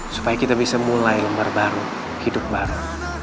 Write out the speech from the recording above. supaya kita bisa mulai lembar baru hidup baru